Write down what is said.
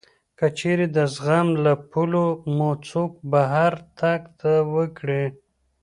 که چېرې د زغم له پولو مو څوک بهر تګ وکړي